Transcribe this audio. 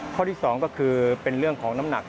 ข้อที่๒ก็คือเป็นเรื่องของน้ำหนัก